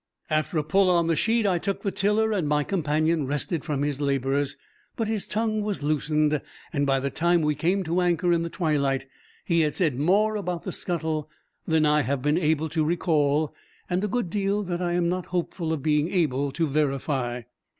After a pull on the sheet, I took the tiller and my companion rested from his labors; but his tongue was loosened, and by the time we came to anchor in the twilight, he had said more about the scuttle than I have been able to recall, and a good deal that I am not hopeful of being able to verify.